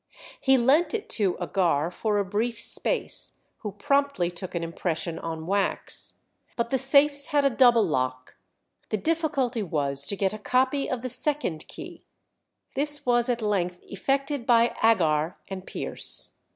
He lent it to Agar for a brief space, who promptly took an impression on wax. But the safes had a double lock; the difficulty was to get a copy of the second key. This was at length effected by Agar and Pierce.